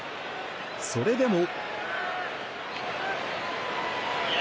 それでも。